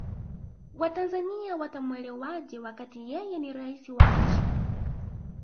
watanzania watamuelewaje wakati yeye ni raisi wa nchi